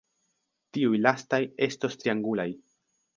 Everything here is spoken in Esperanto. Tiuj lastaj estos triangulaj.